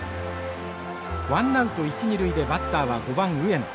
ワンナウト一二塁でバッターは５番上野。